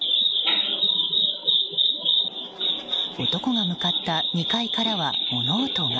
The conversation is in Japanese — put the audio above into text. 男が向かった２階からは物音が。